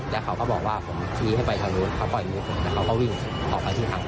แล้วเขาก็บอกว่าผมชี้ให้ไปทางนู้นเขาปล่อยมือผมแล้วเขาก็วิ่งออกไปที่ทาง